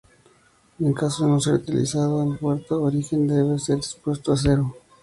En caso de no ser utilizado, el puerto origen debe ser puesto a cero.